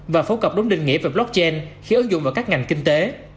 và phối cập đúng định nghĩa về blockchain khi ứng dụng vào các ngành kinh tế